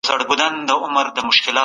تاسي تل د نېکۍ په لاره کي هڅي کوئ.